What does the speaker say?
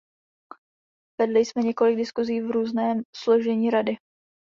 Vedli jsme několik diskusí v různém složení Rady.